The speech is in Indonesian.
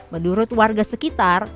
menurut warga sekitar